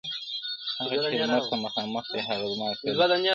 هغه چي لمر ته مخامخ دی هغه زما کلی دی -